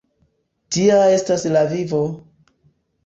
Tia estas la vivo!